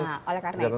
nah oleh karena itu